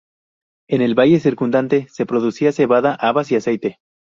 En el valle circundante se producía cebada, habas y aceite.